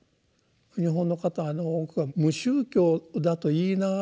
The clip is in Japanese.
日本の方の多くは無宗教だと言いながら宗教心は大事だと。